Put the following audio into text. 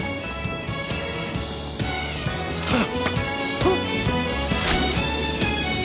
あっ。